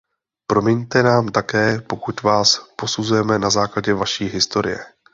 Promiňte nám také, pokud vás posuzujeme na základě vaší historie.